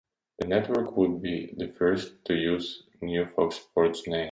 The network would be the first to use the new Fox Sports name.